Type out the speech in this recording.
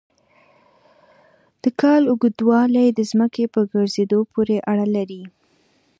د کال اوږدوالی د ځمکې په ګرځېدو پورې اړه لري.